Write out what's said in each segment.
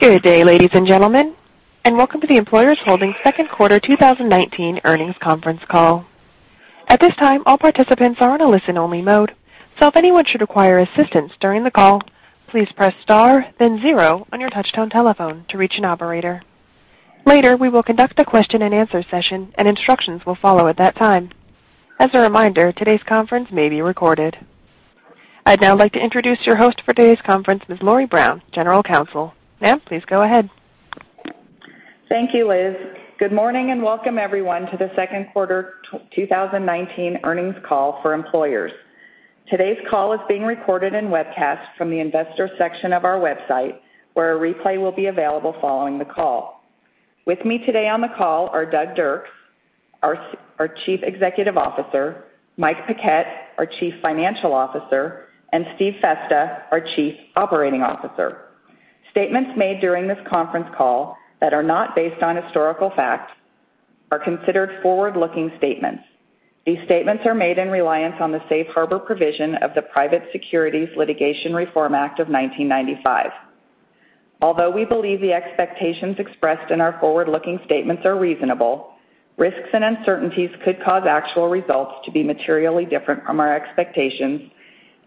Good day, ladies and gentlemen, and welcome to the Employers Holdings second quarter 2019 earnings conference call. At this time, all participants are in a listen-only mode. If anyone should require assistance during the call, please press star then zero on your touchtone telephone to reach an operator. Later, we will conduct a question and answer session, instructions will follow at that time. As a reminder, today's conference may be recorded. I'd now like to introduce your host for today's conference, Ms. Lori Brown, General Counsel. Ma'am, please go ahead. Thank you, Liz. Good morning, and welcome everyone to the second quarter 2019 earnings call for Employers. Today's call is being recorded and webcast from the investor section of our website, where a replay will be available following the call. With me today on the call are Douglas Dirks, our Chief Executive Officer, Michael Paquette, our Chief Financial Officer, and Stephen Festa, our Chief Operating Officer. Statements made during this conference call that are not based on historical facts are considered forward-looking statements. These statements are made in reliance on the safe harbor provision of the Private Securities Litigation Reform Act of 1995. Although we believe the expectations expressed in our forward-looking statements are reasonable, risks and uncertainties could cause actual results to be materially different from our expectations,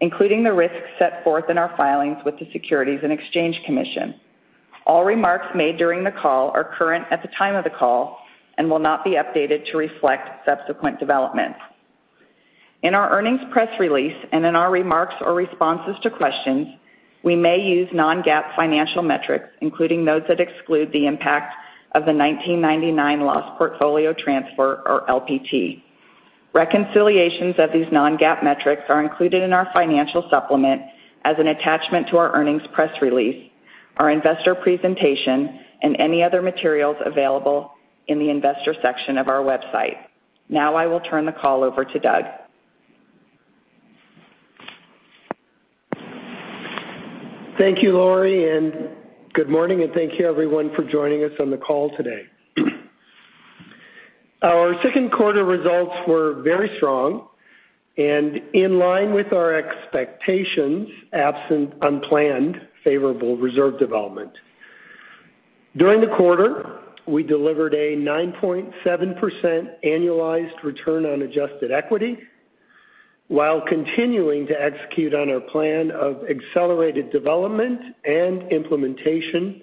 including the risks set forth in our filings with the Securities and Exchange Commission. All remarks made during the call are current at the time of the call and will not be updated to reflect subsequent developments. In our earnings press release and in our remarks or responses to questions, we may use non-GAAP financial metrics, including those that exclude the impact of the 1999 loss portfolio transfer, or LPT. Reconciliations of these non-GAAP metrics are included in our financial supplement as an attachment to our earnings press release, our investor presentation, and any other materials available in the investor section of our website. I will turn the call over to Doug. Thank you, Lori, good morning, and thank you everyone for joining us on the call today. Our second quarter results were very strong and in line with our expectations, absent unplanned favorable reserve development. During the quarter, we delivered a 9.7% annualized return on adjusted equity while continuing to execute on our plan of accelerated development and implementation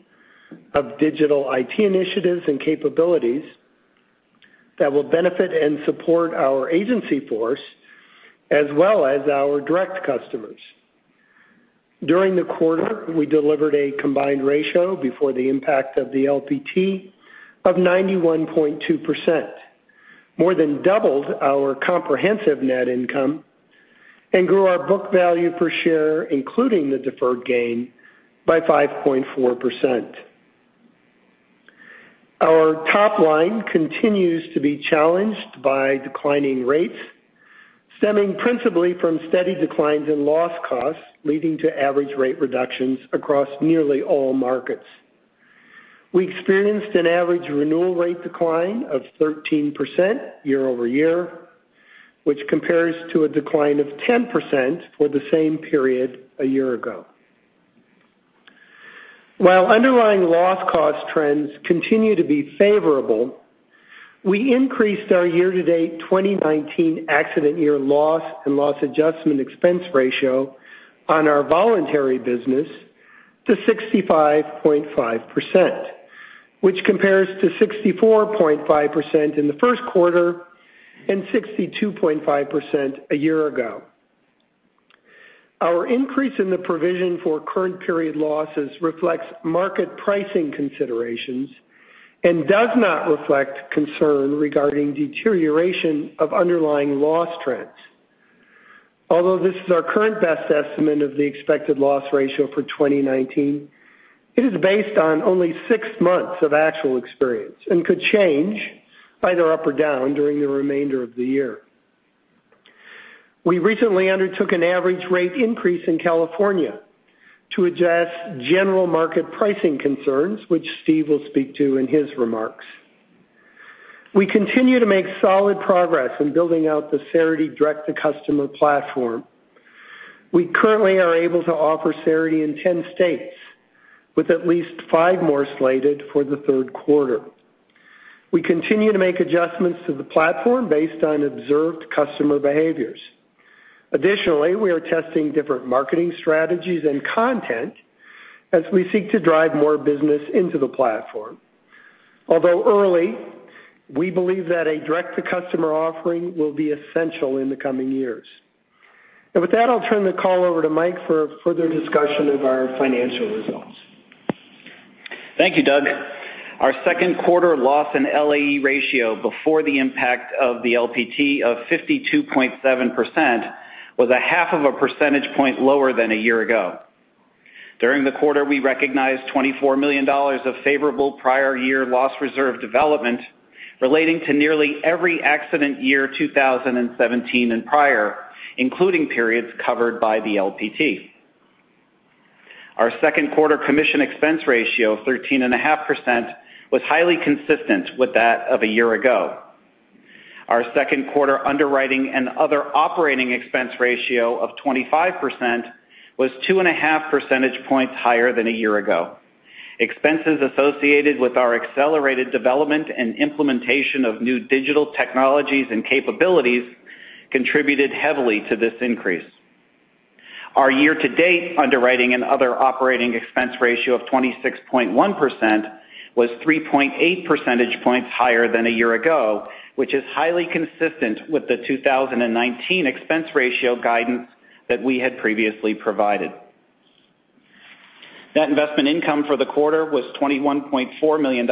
of digital IT initiatives and capabilities that will benefit and support our agency force as well as our direct customers. During the quarter, we delivered a combined ratio before the impact of the LPT of 91.2%, more than doubled our comprehensive net income, and grew our book value per share, including the deferred gain, by 5.4%. Our top line continues to be challenged by declining rates stemming principally from steady declines in loss costs, leading to average rate reductions across nearly all markets. We experienced an average renewal rate decline of 13% year-over-year, which compares to a decline of 10% for the same period a year-ago. While underlying loss cost trends continue to be favorable, we increased our year-to-date 2019 accident year loss and loss adjustment expense ratio on our voluntary business to 65.5%, which compares to 64.5% in the first quarter and 62.5% a year-ago. Our increase in the provision for current period losses reflects market pricing considerations and does not reflect concern regarding deterioration of underlying loss trends. Although this is our current best estimate of the expected loss ratio for 2019, it is based on only six months of actual experience and could change either up or down during the remainder of the year. We recently undertook an average rate increase in California to address general market pricing concerns, which Steve will speak to in his remarks. We continue to make solid progress in building out the Cerity direct-to-customer platform. We currently are able to offer Cerity in 10 states, with at least five more slated for the third quarter. We continue to make adjustments to the platform based on observed customer behaviors. Additionally, we are testing different marketing strategies and content as we seek to drive more business into the platform. Although early, we believe that a direct-to-customer offering will be essential in the coming years. With that, I'll turn the call over to Mike for further discussion of our financial results. Thank you, Doug. Our second quarter loss and LAE ratio before the impact of the LPT of 52.7% was a half of a percentage point lower than a year-ago. During the quarter, we recognized $24 million of favorable prior year loss reserve development relating to nearly every accident year 2017 and prior, including periods covered by the LPT. Our second quarter commission expense ratio of 13.5% was highly consistent with that of a year-ago. Our second quarter underwriting and other operating expense ratio of 25% was two and a half percentage points higher than a year-ago. Expenses associated with our accelerated development and implementation of new digital technologies and capabilities contributed heavily to this increase. Our year-to-date underwriting and other operating expense ratio of 26.1% was 3.8 percentage points higher than a year-ago, which is highly consistent with the 2019 expense ratio guidance that we had previously provided. Net investment income for the quarter was $21.4 million,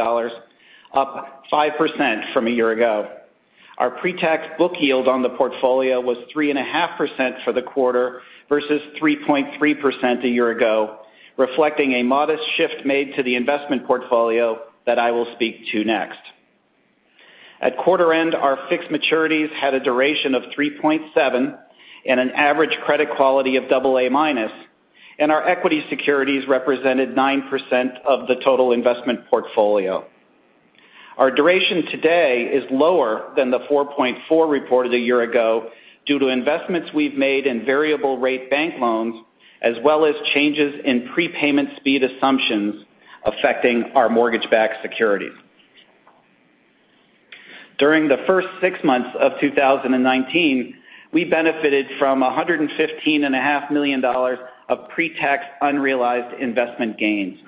up 5% from a year-ago. Our pre-tax book yield on the portfolio was 3.5% for the quarter versus 3.3% a year-ago, reflecting a modest shift made to the investment portfolio that I will speak to next. At quarter end, our fixed maturities had a duration of 3.7 and an average credit quality of double A minus, and our equity securities represented 9% of the total investment portfolio. Our duration today is lower than the 4.4 reported a year-ago due to investments we've made in variable rate bank loans, as well as changes in prepayment speed assumptions affecting our mortgage-backed securities. During the first six months of 2019, we benefited from $115.5 million of pre-tax unrealized investment gains.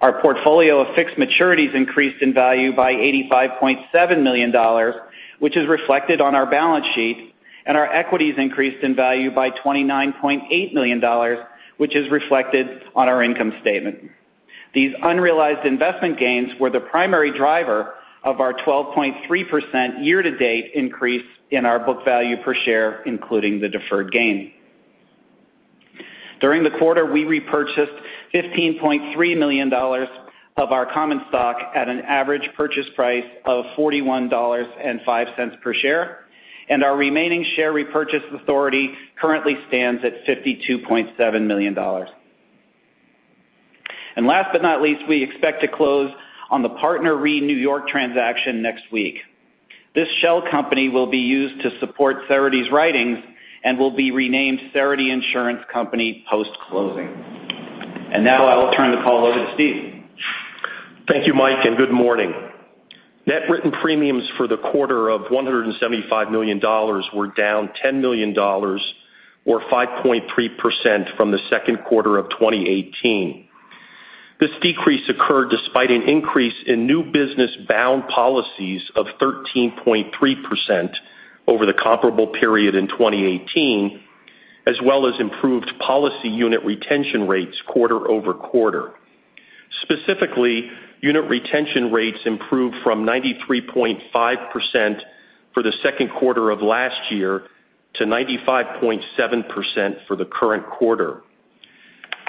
Our portfolio of fixed maturities increased in value by $85.7 million, which is reflected on our balance sheet, and our equities increased in value by $29.8 million, which is reflected on our income statement. These unrealized investment gains were the primary driver of our 12.3% year-to-date increase in our book value per share, including the deferred gain. During the quarter, we repurchased $15.3 million of our common stock at an average purchase price of $41.05 per share, our remaining share repurchase authority currently stands at $52.7 million. Last but not least, we expect to close on the PartnerRe New York transaction next week. This shell company will be used to support Cerity's writings and will be renamed Cerity Insurance Company post-closing. Now I will turn the call over to Steve. Thank you, Mike, good morning. Net written premiums for the quarter of $175 million were down $10 million, or 5.3%, from the second quarter of 2018. This decrease occurred despite an increase in new business bound policies of 13.3% over the comparable period in 2018, as well as improved policy unit retention rates quarter-over-quarter. Specifically, unit retention rates improved from 93.5% for the second quarter of last year to 95.7% for the current quarter.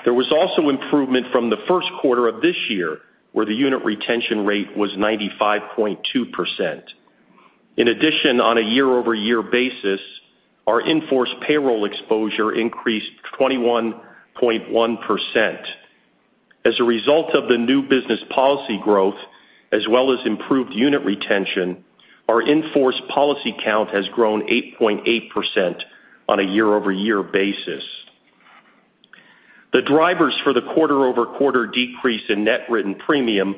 There was also improvement from the first quarter of this year, where the unit retention rate was 95.2%. On a year-over-year basis, our in-force payroll exposure increased 21.1%. As a result of the new business policy growth, as well as improved unit retention, our in-force policy count has grown 8.8% on a year-over-year basis. The drivers for the quarter-over-quarter decrease in net written premium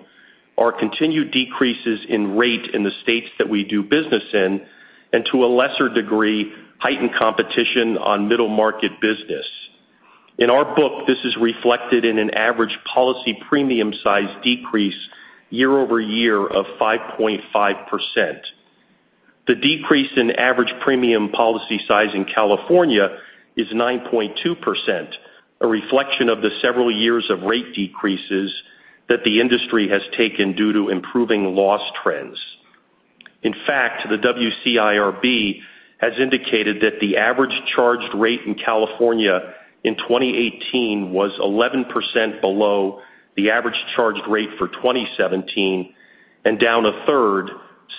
are continued decreases in rate in the states that we do business in and, to a lesser degree, heightened competition on middle-market business. In our book, this is reflected in an average policy premium size decrease year-over-year of 5.5%. The decrease in average premium policy size in California is 9.2%, a reflection of the several years of rate decreases that the industry has taken due to improving loss trends. The WCIRB has indicated that the average charged rate in California in 2018 was 11% below the average charged rate for 2017 and down a third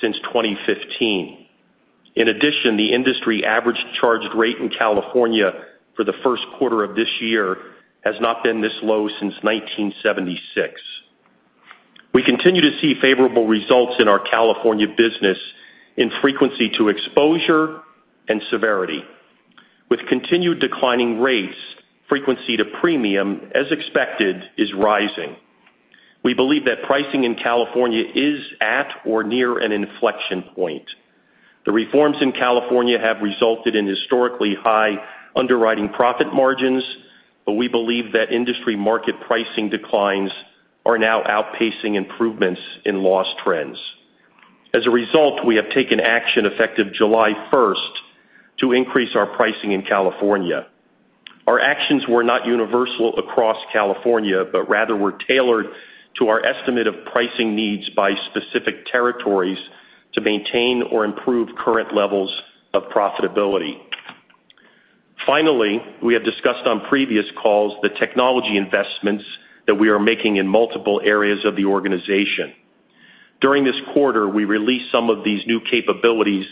since 2015. The industry average charged rate in California for the first quarter of this year has not been this low since 1976. We continue to see favorable results in our California business in frequency to exposure and severity. With continued declining rates, frequency to premium, as expected, is rising. We believe that pricing in California is at or near an inflection point. The reforms in California have resulted in historically high underwriting profit margins, but we believe that industry market pricing declines are now outpacing improvements in loss trends. As a result, we have taken action effective July 1st to increase our pricing in California. Our actions were not universal across California, but rather were tailored to our estimate of pricing needs by specific territories to maintain or improve current levels of profitability. Finally, we have discussed on previous calls the technology investments that we are making in multiple areas of the organization. During this quarter, we released some of these new capabilities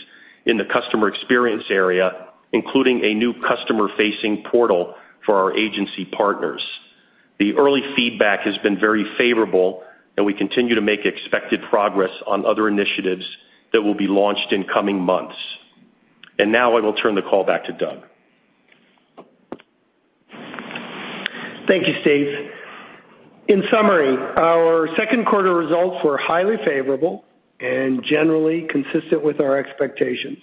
in the customer experience area, including a new customer-facing portal for our agency partners. The early feedback has been very favorable, and we continue to make expected progress on other initiatives that will be launched in coming months. Now I will turn the call back to Doug. Thank you, Steve. In summary, our second quarter results were highly favorable and generally consistent with our expectations.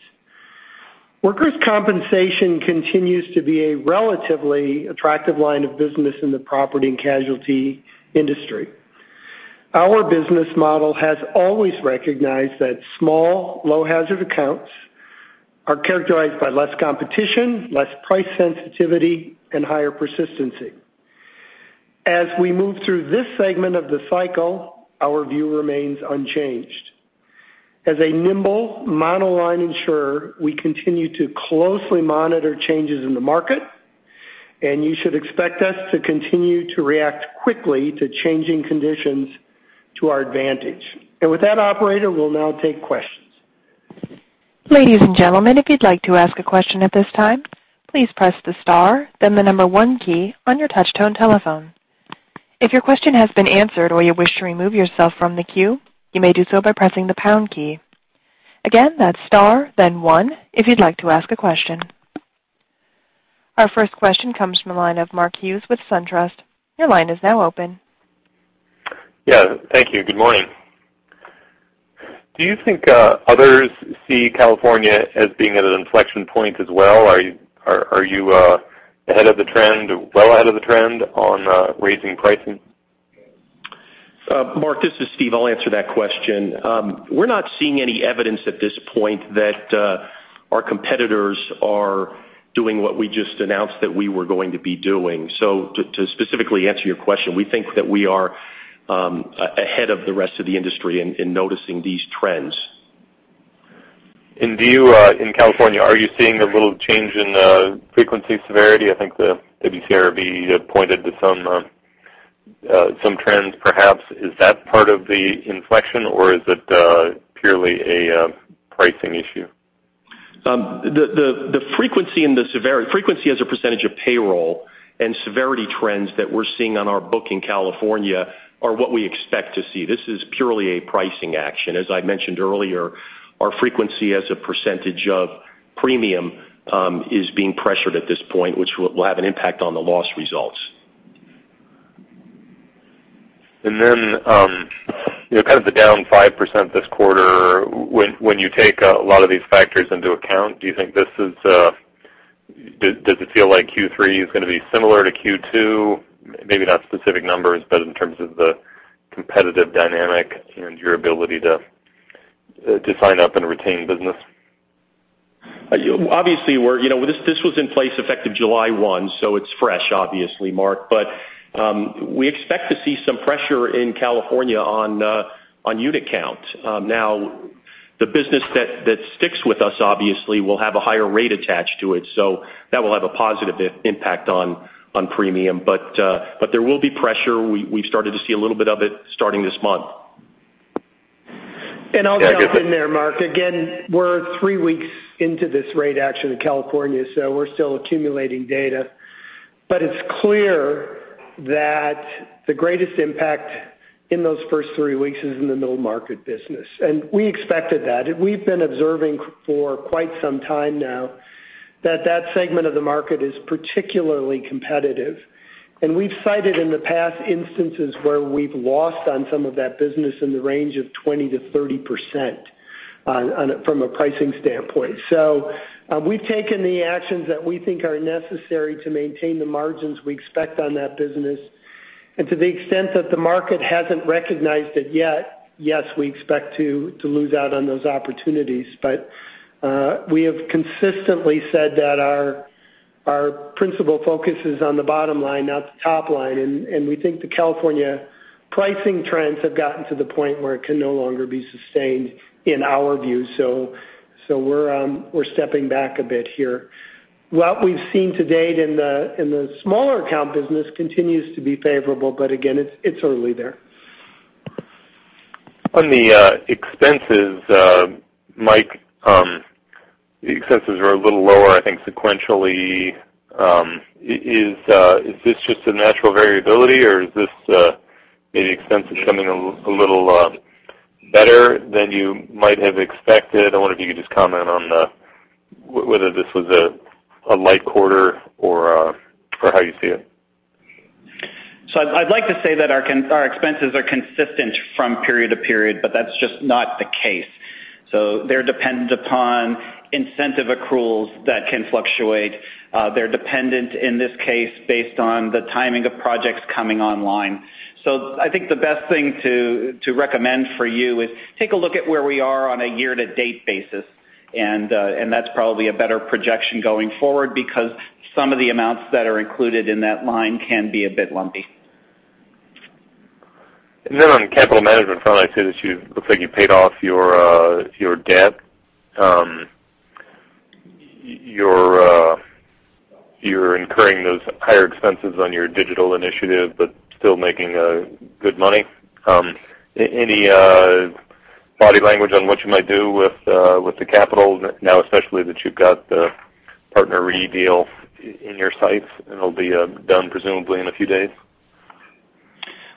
Workers' compensation continues to be a relatively attractive line of business in the property and casualty industry. Our business model has always recognized that small, low-hazard accounts are characterized by less competition, less price sensitivity, and higher persistency. As we move through this segment of the cycle, our view remains unchanged. As a nimble monoline insurer, we continue to closely monitor changes in the market, and you should expect us to continue to react quickly to changing conditions to our advantage. With that, operator, we'll now take questions. Ladies and gentlemen, if you'd like to ask a question at this time, please press the star, then the number one key on your touchtone telephone. If your question has been answered, or you wish to remove yourself from the queue, you may do so by pressing the pound key. Again, that's star, then one if you'd like to ask a question. Our first question comes from the line of Mark Hughes with SunTrust. Your line is now open. Yeah, thank you. Good morning. Do you think others see California as being at an inflection point as well? Are you ahead of the trend, well ahead of the trend on raising pricing? Mark, this is Steve, I'll answer that question. We're not seeing any evidence at this point that our competitors are doing what we just announced that we were going to be doing. To specifically answer your question, we think that we are ahead of the rest of the industry in noticing these trends. In California, are you seeing a little change in frequency severity? I think the WCIRB pointed to some trends, perhaps. Is that part of the inflection, or is it purely a pricing issue? The frequency as a % of payroll and severity trends that we're seeing on our book in California are what we expect to see. This is purely a pricing action. As I mentioned earlier, our frequency as a % of premium is being pressured at this point, which will have an impact on the loss results. kind of the down 5% this quarter, when you take a lot of these factors into account, does it feel like Q3 is going to be similar to Q2? Maybe not specific numbers, but in terms of the competitive dynamic and your ability to sign up and retain business. Obviously, this was in place effective July 1, it's fresh, obviously, Mark. We expect to see some pressure in California on unit count. The business that sticks with us obviously will have a higher rate attached to it. That will have a positive impact on premium. There will be pressure. We've started to see a little bit of it starting this month. I'll jump in there, Mark. We're three weeks into this rate action in California, we're still accumulating data. It's clear that the greatest impact in those first three weeks is in the middle market business. We expected that. We've been observing for quite some time now that that segment of the market is particularly competitive. We've cited in the past instances where we've lost on some of that business in the range of 20%-30% from a pricing standpoint. We've taken the actions that we think are necessary to maintain the margins we expect on that business. To the extent that the market hasn't recognized it yet, yes, we expect to lose out on those opportunities. We have consistently said that our principal focus is on the bottom line, not the top line. We think the California pricing trends have gotten to the point where it can no longer be sustained in our view. We're stepping back a bit here. What we've seen to date in the smaller account business continues to be favorable. Again, it's early there. On the expenses, Mike, the expenses are a little lower, I think, sequentially. Is this just a natural variability, or is this maybe expenses coming a little better than you might have expected? I wonder if you could just comment on whether this was a light quarter or how you see it. I'd like to say that our expenses are consistent from period to period, but that's just not the case. They're dependent upon incentive accruals that can fluctuate. They're dependent, in this case, based on the timing of projects coming online. I think the best thing to recommend for you is take a look at where we are on a year-to-date basis. That's probably a better projection going forward because some of the amounts that are included in that line can be a bit lumpy. On the capital management front, I see that it looks like you paid off your debt. You're incurring those higher expenses on your digital initiative, but still making good money. Any body language on what you might do with the capital now, especially that you've got the PartnerRe deal in your sights, and it'll be done presumably in a few days.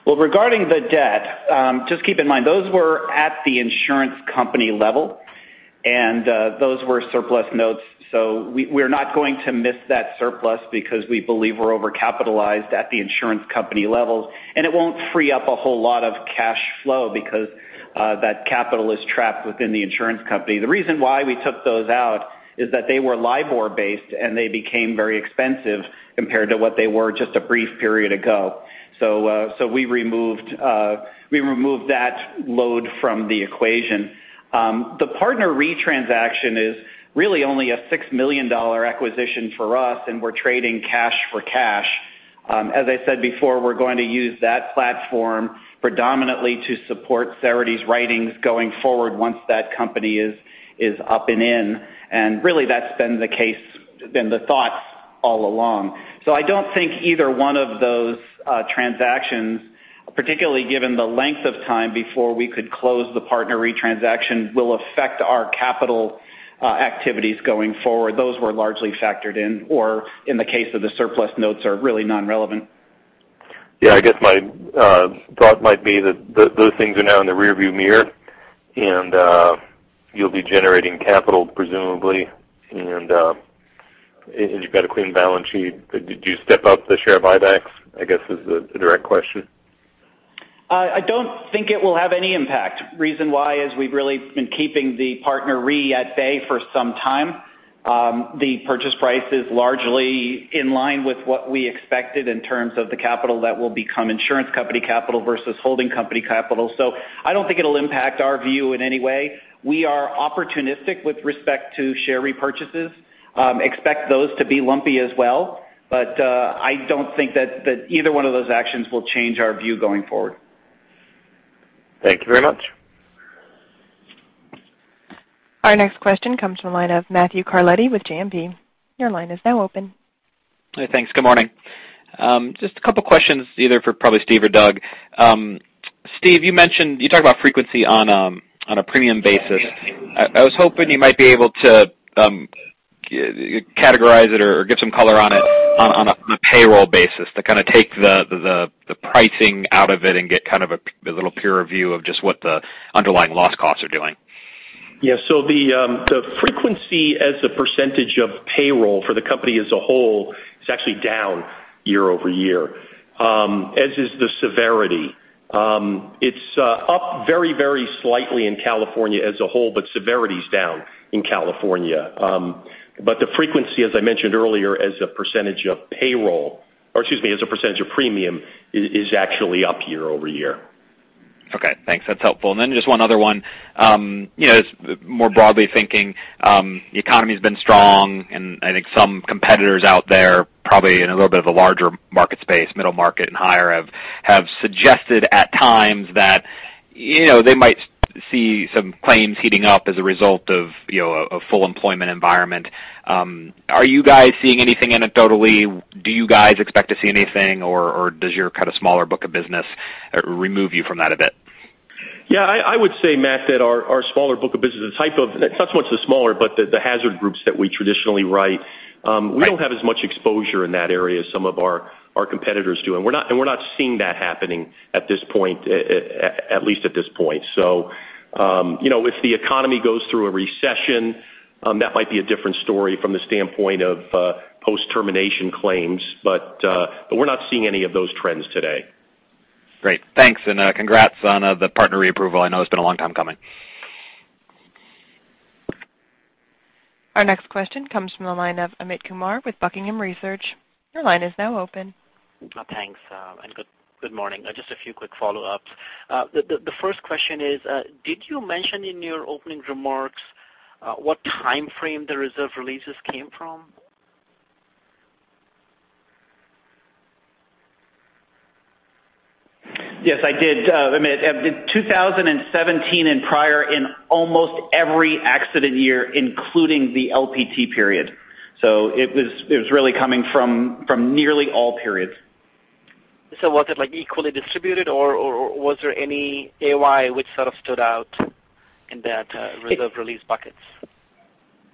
Well, regarding the debt, just keep in mind, those were at the insurance company level, and those were surplus notes. We're not going to miss that surplus because we believe we're over-capitalized at the insurance company level, and it won't free up a whole lot of cash flow because that capital is trapped within the insurance company. The reason why we took those out is that they were LIBOR-based, and they became very expensive compared to what they were just a brief period ago. We removed that load from the equation. The PartnerRe transaction is really only a $6 million acquisition for us, and we're trading cash for cash. As I said before, we're going to use that platform predominantly to support Cerity's writings going forward once that company is up and in, and really that's been the case, been the thoughts all along. I don't think either one of those transactions, particularly given the length of time before we could close the PartnerRe transaction, will affect our capital activities going forward. Those were largely factored in, or in the case of the surplus notes, are really non-relevant. I guess my thought might be that those things are now in the rear view mirror, and you'll be generating capital presumably, and you've got a clean balance sheet. Did you step up the share buybacks, I guess is the direct question. I don't think it will have any impact. Reason why is we've really been keeping the PartnerRe at bay for some time. The purchase price is largely in line with what we expected in terms of the capital that will become insurance company capital versus holding company capital. I don't think it'll impact our view in any way. We are opportunistic with respect to share repurchases. Expect those to be lumpy as well. I don't think that either one of those actions will change our view going forward. Thank you very much. Our next question comes from the line of Matthew Carletti with JMP. Your line is now open. Hey, thanks. Good morning. Just a couple questions either for probably Steve or Doug. Steve, you talked about frequency on a premium basis. I was hoping you might be able to categorize it or give some color on it on a payroll basis to kind of take the pricing out of it and get kind of a little pure view of just what the underlying loss costs are doing. The frequency as a % of payroll for the company as a whole is actually down year-over-year, as is the severity. It's up very slightly in California as a whole, but severity's down in California. The frequency, as I mentioned earlier, as a % of premium, is actually up year-over-year. Okay, thanks. That's helpful. Just one other one. More broadly thinking, the economy's been strong, I think some competitors out there, probably in a little bit of a larger market space, middle market and higher, have suggested at times that they might see some claims heating up as a result of a full employment environment. Are you guys seeing anything anecdotally? Do you guys expect to see anything, or does your kind of smaller book of business remove you from that a bit? Yeah, I would say, Matt, that our smaller book of business, not so much the smaller, but the hazard groups that we traditionally write- Right we don't have as much exposure in that area as some of our competitors do, and we're not seeing that happening at least at this point. If the economy goes through a recession, that might be a different story from the standpoint of post-termination claims. We're not seeing any of those trends today. Great. Thanks, congrats on the PartnerRe approval. I know it's been a long time coming. Our next question comes from the line of Amit Kumar with Buckingham Research. Your line is now open. Thanks, and good morning. Just a few quick follow-ups. The first question is, did you mention in your opening remarks what timeframe the reserve releases came from? Yes, I did, Amit. In 2017 and prior in almost every accident year, including the LPT period. It was really coming from nearly all periods. Was it equally distributed, or was there any AOY which sort of stood out in that reserve release buckets?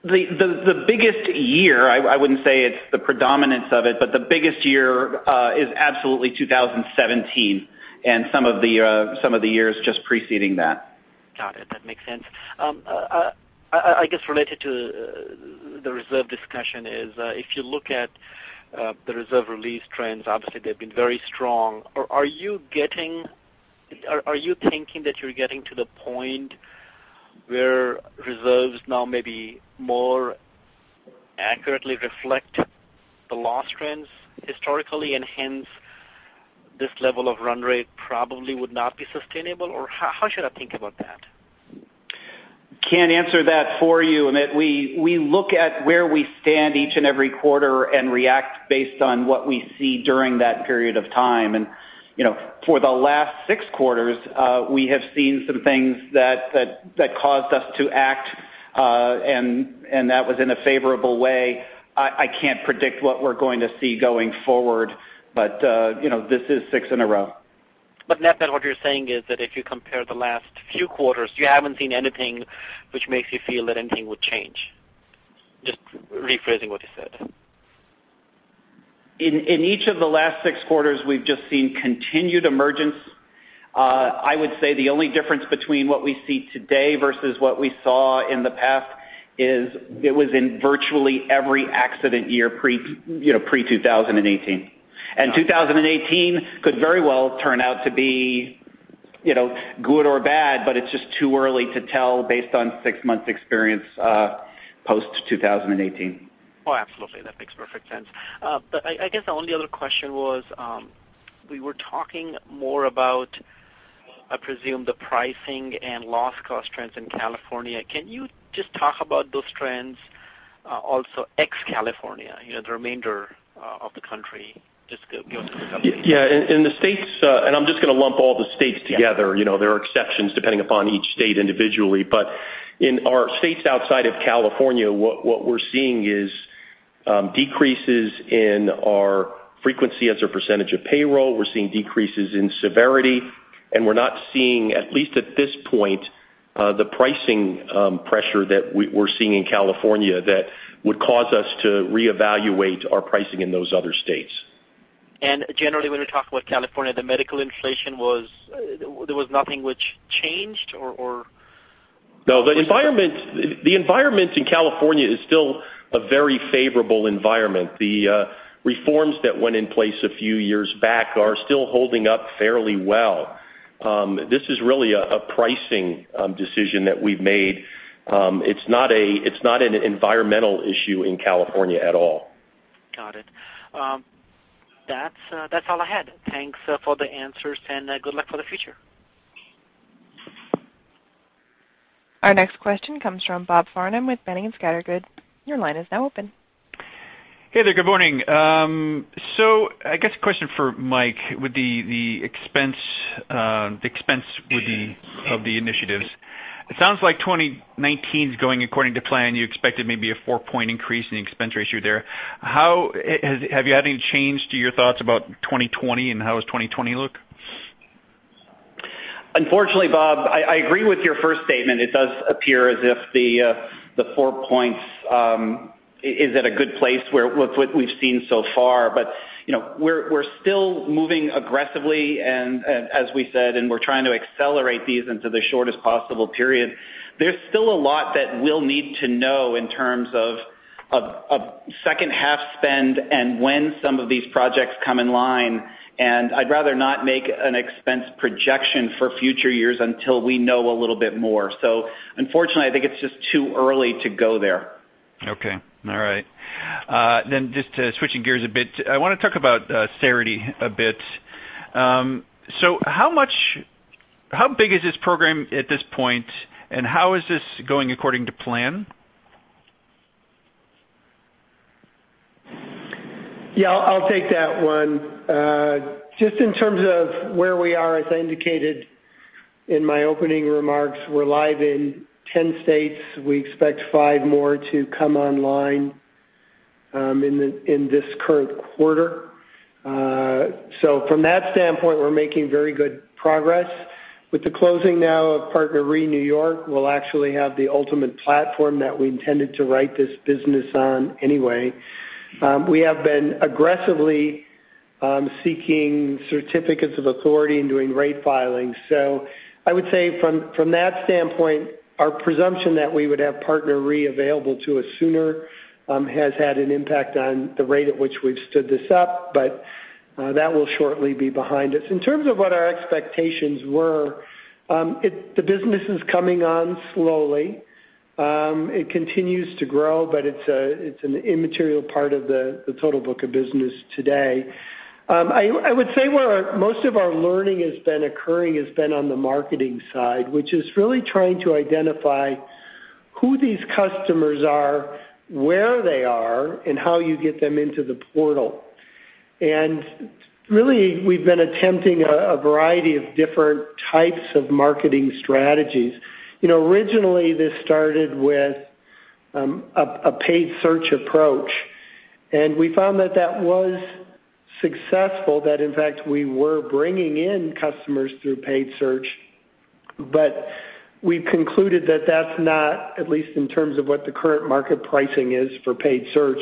The biggest year, I wouldn't say it's the predominance of it, but the biggest year is absolutely 2017, and some of the years just preceding that. Got it. That makes sense. I guess related to the reserve discussion is, if you look at the reserve release trends, obviously they've been very strong. Are you thinking that you're getting to the point where reserves now may be more accurately reflect the loss trends historically, and hence this level of run rate probably would not be sustainable? How should I think about that? Can't answer that for you, Amit. We look at where we stand each and every quarter and react based on what we see during that period of time. For the last 6 quarters, we have seen some things that caused us to act. That was in a favorable way. I can't predict what we're going to see going forward, this is 6 in a row. Net, what you're saying is that if you compare the last few quarters, you haven't seen anything which makes you feel that anything would change. Just rephrasing what you said. In each of the last 6 quarters, we've just seen continued emergence. I would say the only difference between what we see today versus what we saw in the past is it was in virtually every accident year pre-2018. 2018 could very well turn out to be good or bad, it's just too early to tell based on 6 months' experience post-2018. Absolutely. That makes perfect sense. I guess the only other question was, we were talking more about, I presume, the pricing and loss cost trends in California. Can you just talk about those trends also ex-California, the remainder of the country? Just give us a summary. In the States, I'm just going to lump all the states together. There are exceptions depending upon each state individually. In our states outside of California, what we're seeing is decreases in our frequency as a percentage of payroll. We're seeing decreases in severity, and we're not seeing, at least at this point, the pricing pressure that we're seeing in California that would cause us to reevaluate our pricing in those other states. Generally, when we talk about California, the medical inflation, there was nothing which changed, or? The environment in California is still a very favorable environment. The reforms that went in place a few years back are still holding up fairly well. This is really a pricing decision that we've made. It's not an environmental issue in California at all. Got it. That's all I had. Thanks for the answers, and good luck for the future. Our next question comes from Robert Farnam with Janney Montgomery Scott. Your line is now open. Hey there. Good morning. I guess a question for Mike with the expense of the initiatives. It sounds like 2019 is going according to plan. You expected maybe a four-point increase in the expense ratio there. Have you had any change to your thoughts about 2020, and how does 2020 look? Unfortunately, Bob, I agree with your first statement. It does appear as if the four points is at a good place with what we've seen so far. We're still moving aggressively, and as we said, and we're trying to accelerate these into the shortest possible period. There's still a lot that we'll need to know in terms of second half spend and when some of these projects come in line, and I'd rather not make an expense projection for future years until we know a little bit more. Unfortunately, I think it's just too early to go there. Okay. All right. Just switching gears a bit, I want to talk about Cerity a bit. How big is this program at this point, and how is this going according to plan? Yeah, I'll take that one. Just in terms of where we are, as I indicated in my opening remarks, we're live in 10 states. We expect 5 more to come online in this current quarter. From that standpoint, we're making very good progress. With the closing now of PartnerRe New York, we'll actually have the ultimate platform that we intended to write this business on anyway. We have been aggressively seeking certificates of authority and doing rate filings. I would say from that standpoint, our presumption that we would have PartnerRe available to us sooner has had an impact on the rate at which we've stood this up, but that will shortly be behind us. In terms of what our expectations were, the business is coming on slowly. It continues to grow, but it's an immaterial part of the total book of business today. I would say where most of our learning has been occurring has been on the marketing side, which is really trying to identify who these customers are, where they are, and how you get them into the portal. Really, we've been attempting a variety of different types of marketing strategies. Originally, this started with a paid search approach, and we found that that was successful, that in fact, we were bringing in customers through paid search. We've concluded that that's not, at least in terms of what the current market pricing is for paid search,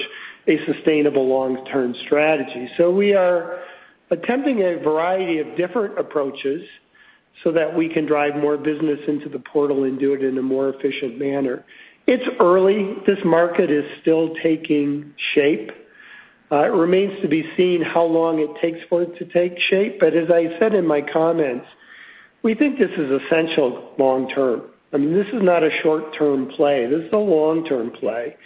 a sustainable long-term strategy. We are attempting a variety of different approaches so that we can drive more business into the portal and do it in a more efficient manner. It's early. This market is still taking shape. It remains to be seen how long it takes for it to take shape. As I said in my comments, we think this is essential long term. I mean, this is not a short-term play. This is a long-term play.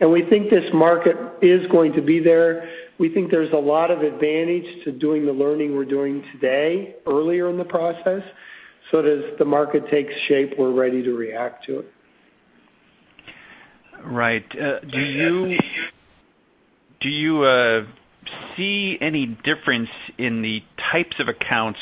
We think this market is going to be there. We think there's a lot of advantage to doing the learning we're doing today, earlier in the process, so that as the market takes shape, we're ready to react to it. Right. Do you see any difference in the types of accounts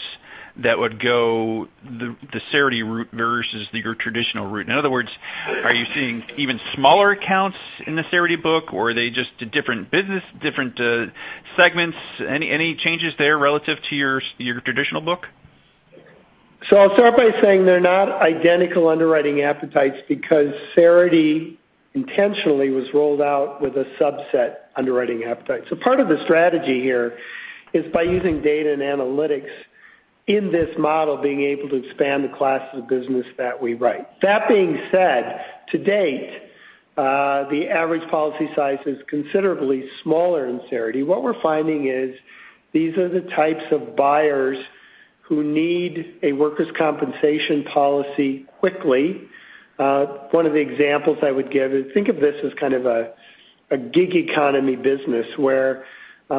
that would go the Cerity route versus your traditional route? In other words, are you seeing even smaller accounts in the Cerity book, or are they just different business, different segments? Any changes there relative to your traditional book? I'll start by saying they're not identical underwriting appetites because Cerity intentionally was rolled out with a subset underwriting appetite. Part of the strategy here is by using data and analytics in this model, being able to expand the classes of business that we write. That being said, to date, the average policy size is considerably smaller in Cerity. What we're finding is these are the types of buyers who need a workers' compensation policy quickly. One of the examples I would give is think of this as kind of a gig economy business, where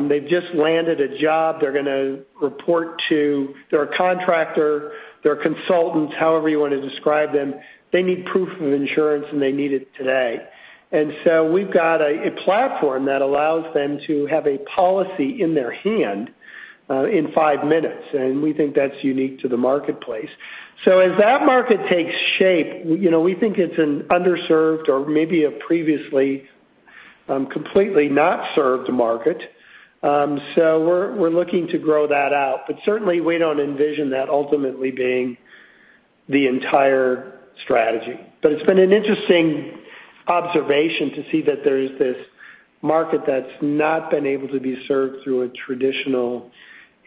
they've just landed a job they're going to report to. They're a contractor, they're consultants, however you want to describe them. They need proof of insurance, and they need it today. We've got a platform that allows them to have a policy in their hand in five minutes, and we think that's unique to the marketplace. As that market takes shape, we think it's an underserved or maybe a previously completely not served market. We're looking to grow that out, but certainly we don't envision that ultimately being the entire strategy. It's been an interesting observation to see that there's this market that's not been able to be served through a traditional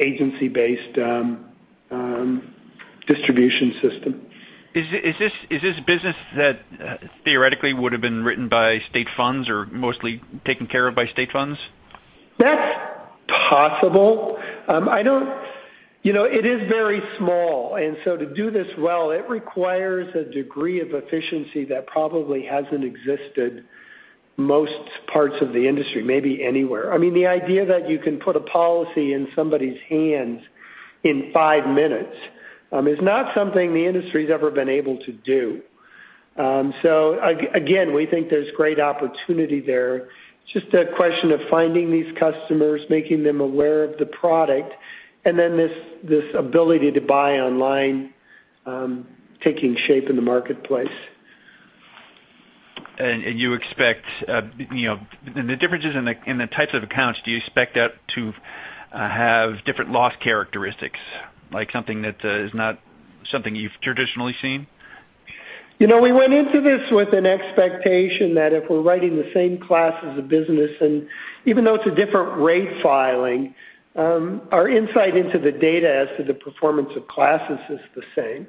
agency-based distribution system. Is this business that theoretically would've been written by state funds or mostly taken care of by state funds? That's possible. It is very small. To do this well, it requires a degree of efficiency that probably hasn't existed most parts of the industry, maybe anywhere. I mean, the idea that you can put a policy in somebody's hands in five minutes is not something the industry's ever been able to do. Again, we think there's great opportunity there. It's just a question of finding these customers, making them aware of the product, and then this ability to buy online taking shape in the marketplace. The differences in the types of accounts, do you expect that to have different loss characteristics, like something that is not something you've traditionally seen? We went into this with an expectation that if we're writing the same classes of business, and even though it's a different rate filing, our insight into the data as to the performance of classes is the same.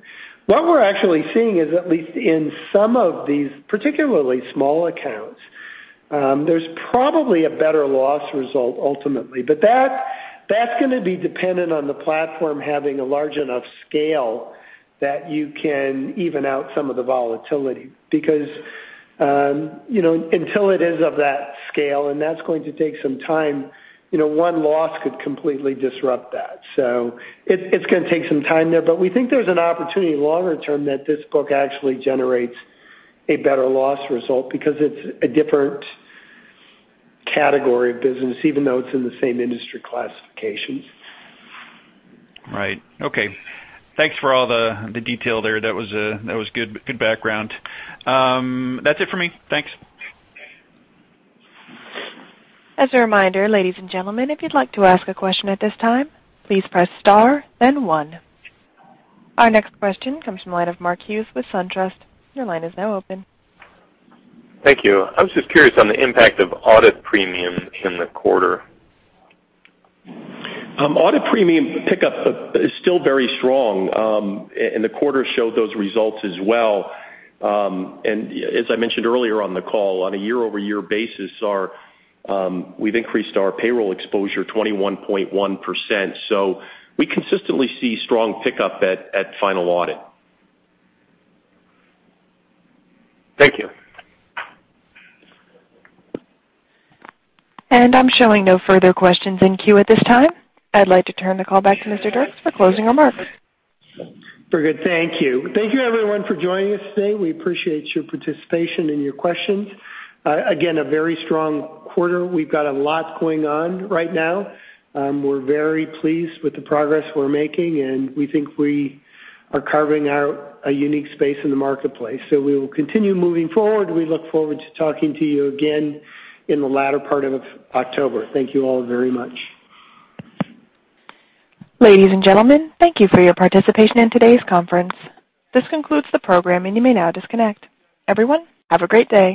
What we're actually seeing is, at least in some of these particularly small accounts, there's probably a better loss result ultimately, but that's going to be dependent on the platform having a large enough scale that you can even out some of the volatility. Because until it is of that scale, and that's going to take some time, one loss could completely disrupt that. It's going to take some time there, but we think there's an opportunity longer term that this book actually generates a better loss result because it's a different category of business, even though it's in the same industry classifications. Right. Okay. Thanks for all the detail there. That was good background. That's it for me. Thanks. As a reminder, ladies and gentlemen, if you'd like to ask a question at this time, please press star then one. Our next question comes from the line of Mark Hughes with SunTrust. Your line is now open. Thank you. I was just curious on the impact of audit premiums in the quarter. Audit premium pickup is still very strong. The quarter showed those results as well. As I mentioned earlier on the call, on a year-over-year basis, we've increased our payroll exposure 21.1%. We consistently see strong pickup at final audit. Thank you. I'm showing no further questions in queue at this time. I'd like to turn the call back to Mr. Dirks for closing remarks. Very good. Thank you. Thank you everyone for joining us today. We appreciate your participation and your questions. Again, a very strong quarter. We've got a lot going on right now. We're very pleased with the progress we're making, and we think we are carving out a unique space in the marketplace. We will continue moving forward. We look forward to talking to you again in the latter part of October. Thank you all very much. Ladies and gentlemen, thank you for your participation in today's conference. This concludes the program, and you may now disconnect. Everyone, have a great day.